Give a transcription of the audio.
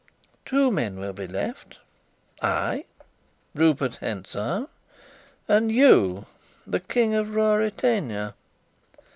Two men will be left I, Rupert Hentzau, and you, the King of Ruritania."